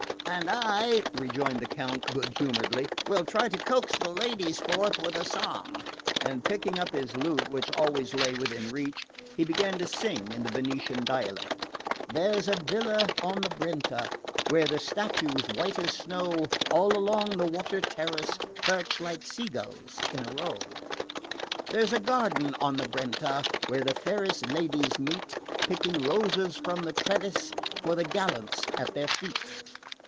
"And I," rejoined the Count good humouredly, "will try to coax the ladies forth with a song;" and picking up his lute, which always lay within reach, he began to sing in the Venetian dialect: There's a villa on the Brenta Where the statues, white as snow, All along the water terrace Perch like sea gulls in a row. There's a garden on the Brenta Where the fairest ladies meet, Picking roses from the trellis For the gallants at their feet.